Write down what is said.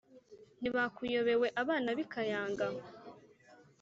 ntibakuyobewe abana b'i kayanga,